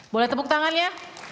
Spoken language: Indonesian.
boleh tepuk tangannya